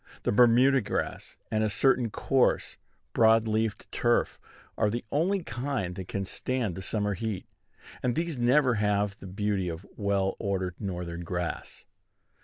The Bermuda grass, and a certain coarse, broad leafed turf, are the only kind that can stand the summer heat; and these never have the beauty of well ordered Northern grass.